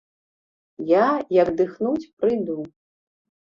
Я, як дыхнуць, прыйду.